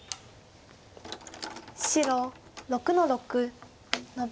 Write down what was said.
白６の六ノビ。